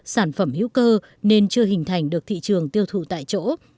sản phẩm hữu cơ nên chưa hình thành được thị trường tiêu thụ tại chỗ